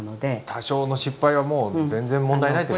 多少の失敗はもう全然問題ないということですね。